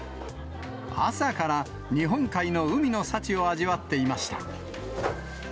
朝から日本海の海の幸を味わっていました。